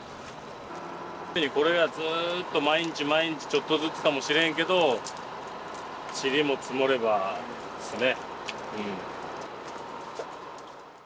俺らずっと毎日毎日ちょっとずつかもしれんけど塵も積もればですね。